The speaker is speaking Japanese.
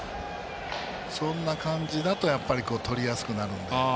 そんな感じだととりやすくなるので。